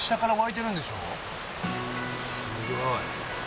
すごい。